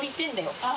あっ！